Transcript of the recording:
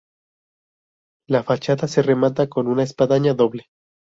La fachada se remata con una espadaña doble.